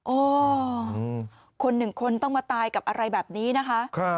คนหนึ่งคนต้องมาตายกับอะไรแบบนี้นะคะ